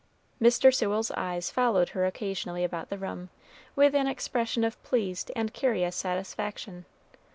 Mr. Sewell's eyes followed her occasionally about the room, with an expression of pleased and curious satisfaction.